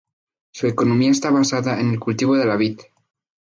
Su economía está basada en el cultivo de la vid.